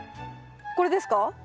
これですか？